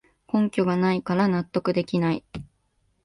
根拠がないから納得できない